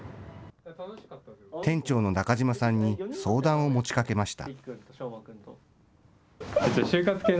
店長の中島さんに相談を持ちかけました。